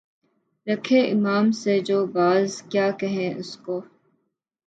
رکھے امام سے جو بغض، کیا کہیں اُس کو؟